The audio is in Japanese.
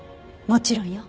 もちろんよ。